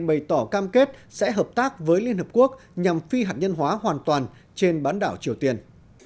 bày tỏ cam kết sẽ hợp tác với liên hợp quốc nhằm phi hạt nhân hóa hoàn toàn trên bán đảo triều tiên